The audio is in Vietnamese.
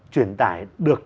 truyền tải được